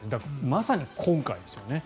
まさに今回ですよね。